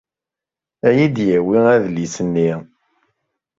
Ad yi-d-yawi adlis-nni.